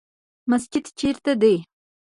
مسجد چیرته دی؟